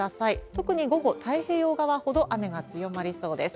特に午後、太平洋側ほど雨が強まりそうです。